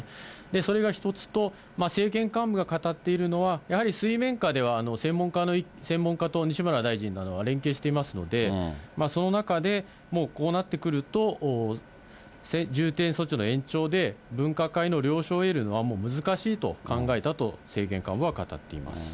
それが１つと、政権幹部が語っているのは、やはり水面下では専門家と西村大臣などが連携していますので、その中で、もうこうなってくると、重点措置の延長で分科会の了承を得るのは、もう難しいと考えたと政権幹部は語っています。